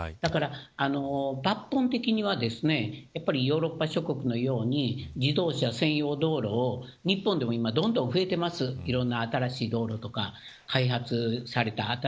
だから抜本的にはですねヨーロッパ諸国のように自転車専用道路を日本でも、どんどん増えていますいろんな新しい道路とか開発されて。